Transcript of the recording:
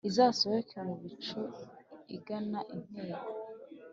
izasohoke mu bicu igana intego.